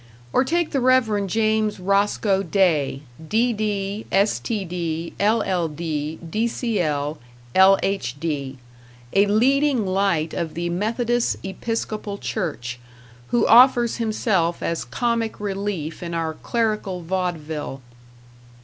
Or take the Rev. James Roscoe Day, D.D., S.T.D., LL.D., D.C.L., L.H.D., a leading light of the Methodist Episcopal Church, who offers himself as comic relief in our Clerical Vaudeville.